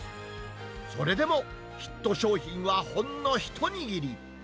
それでもヒット商品はほんの一握り。